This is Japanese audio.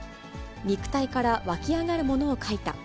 肉体から湧きあがるものを描いた。